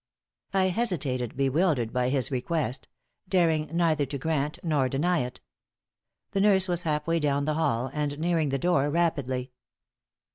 I hesitated, bewildered by his request; daring neither to grant nor deny it. The nurse was half way down the hall, and nearing the door rapidly.